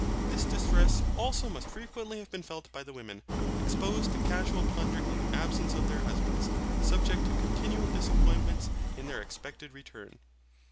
This distress also must frequently have been felt by the women, exposed to casual plunder in the absence of their husbands, and subject to continual disappointments in their expected return.